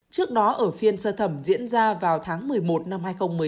trước đó ở phiên sơ thẩm diễn ra vào tháng một mươi một năm hai nghìn một mươi tám